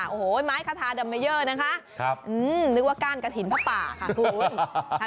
โอ้โหไม้คาทาดำมาเยอะนะคะนึกว่าก้านกระถิ่นผ้าป่าค่ะคุณ